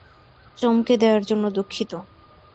চমকে দেয়ার জন্য দুঃখিত।